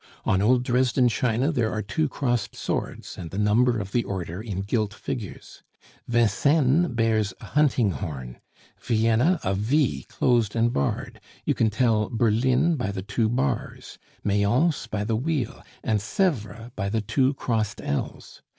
On old Dresden china there are two crossed swords and the number of the order in gilt figures. Vincennes bears a hunting horn; Vienna, a V closed and barred. You can tell Berlin by the two bars, Mayence by the wheel, and Sevres by the two crossed L's.